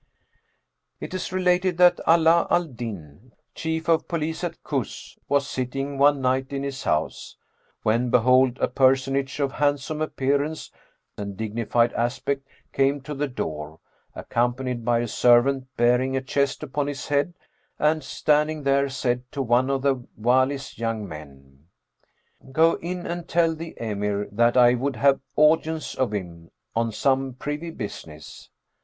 It is related that Alб al Dнn, Chief of Police at Kъs,[FN#407] was sitting one night in his house, when behold, a personage of handsome appearance and dignified aspect came to the door, accompanied by a servant bearing a chest upon his head and, standing there said to one of the Wali's young men, "Go in and tell the Emir that I would have audience of him on some privy business."